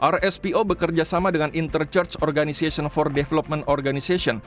rspo bekerjasama dengan interchurch organisasi